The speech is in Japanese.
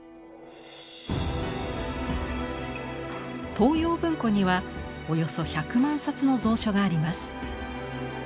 東洋文庫にはおよそ１００万冊の蔵書があります。